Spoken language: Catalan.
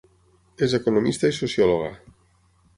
És economista i sociòloga.